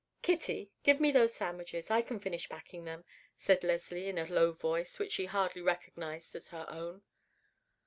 "Kitty, give me those sandwiches. I can finish packing them," said Leslie in a low voice which she hardly recognized as her own.